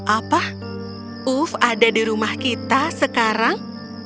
apa uf ada di rumah kita sekarang